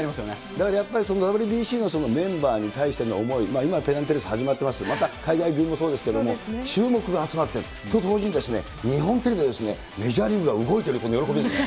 だから、ＷＢＣのメンバーに対しての思い、今、ペナントレース始まってますけれども、また、海外組もそうですけど、注目が集まってる。と同時に日本テレビでメジャーリーグが動いてる、この喜びですね。